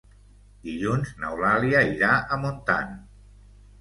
Dilluns n'Eulàlia irà a Montant.